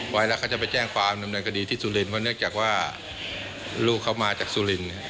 ไว้แล้วเขาจะไปแจ้งความดำเนินคดีที่สุรินทร์เพราะเนื่องจากว่าลูกเขามาจากสุริน